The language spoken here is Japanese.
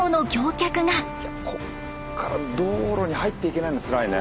こっから道路に入っていけないのつらいね。